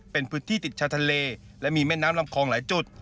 เป็นพื้นที่ติดชาวทะเลและมีแม่น้ำลำคลองหลายจุด